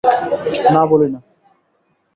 না, বলি না।